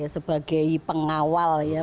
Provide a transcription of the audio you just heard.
sebagai pengawal ya